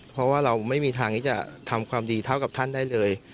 เพราะว่าเราไม่มีทางที่จะทำความดีเท่ากับท่านได้เลย